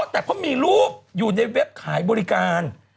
แต่เขามีรูปอยู่ในเว็บขายบริการ